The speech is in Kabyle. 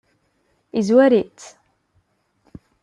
Yezwar-itt?